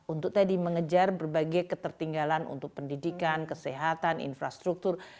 untuk tadi mengejar berbagai ketertinggalan untuk pendidikan kesehatan infrastruktur